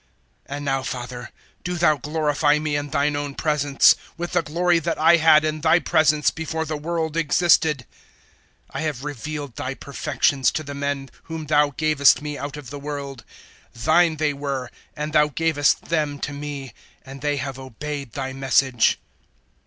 017:005 And now, Father, do Thou glorify me in Thine own presence, with the glory that I had in Thy presence before the world existed. 017:006 "I have revealed Thy perfections to the men whom Thou gavest me out of the world. Thine they were, and Thou gavest them to me, and they have obeyed Thy message.